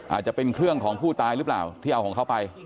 อาจจะเป็นเครื่องของผู้ตายหรือเปล่าที่เอาของเขาไป